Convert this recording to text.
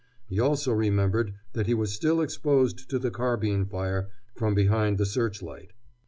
He also remembered that he was still exposed to the carbine fire from behind the searchlight.